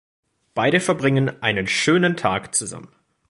Beide verbringen einen schönen Tag zusammen.